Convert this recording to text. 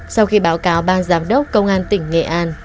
sau khi báo cáo bang giám đốc công an tỉnh nghệ an